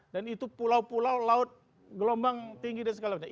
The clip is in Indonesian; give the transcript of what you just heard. dan itu pulau pulau laut gelombang tinggi dan segala macam